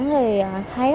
thì thật là thích thú